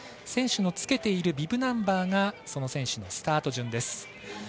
選手のつけているビブナンバーがその選手のスタート順です。